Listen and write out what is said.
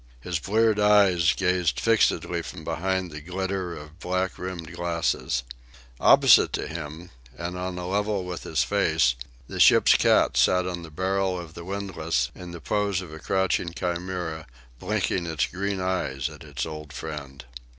His bleared eyes gazed fixedly from behind the glitter of black rimmed glasses. Opposite to him, and on a level with his face, the ship's cat sat on the barrel of the windlass in the pose of a crouching chimera, blinking its green eyes at its old friend.